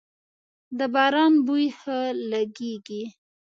د باران بوی ښه لږیږی